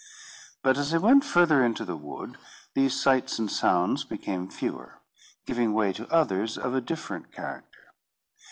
But as I went further into the wood, these sights and sounds became fewer, giving way to others of a different character.